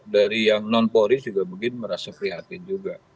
dari yang non polri juga mungkin merasa prihatin juga